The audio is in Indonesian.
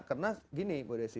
karena gini bu desi